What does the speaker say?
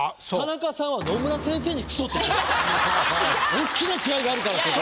おっきな違いがあるからそこ。